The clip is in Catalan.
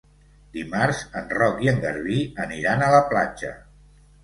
Dimarts en Roc i en Garbí aniran a la platja.